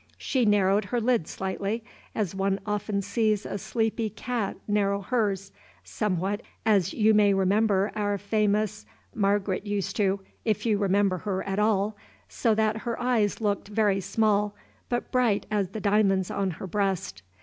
She narrowed her lids slightly, as one often sees a sleepy cat narrow hers, somewhat as you may remember our famous Margaret used to, if you remember her at all, so that her eyes looked very small, but bright as the diamonds on her breast.